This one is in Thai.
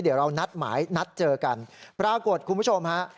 เดี๋ยวเรานัดหมายนัดเจอกันปรากฏคุณผู้ชมฮะ